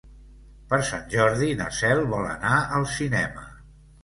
Per Sant Jordi na Cel vol anar al cinema.